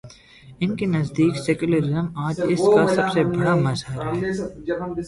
ان کے نزدیک سیکولرازم، آج اس کا سب سے بڑا مظہر ہے۔